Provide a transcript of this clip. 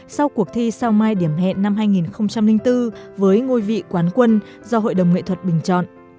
sau cuộc thi sao mai điểm hẹn năm hai nghìn bốn với ngôi vị quán quân do hội đồng nghệ thuật bình chọn